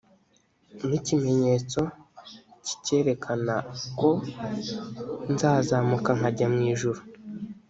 ni kimenyetso ki cyerekana ko nzazamuka nkajya mu ijuru?